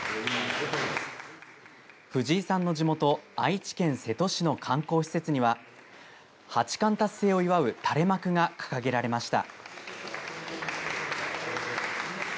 藤井さんの地元愛知県瀬戸市の観光施設には八冠達成を祝う垂れ幕が掲げられました。